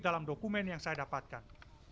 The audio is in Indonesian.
dalam dokumen yang saya dapatkan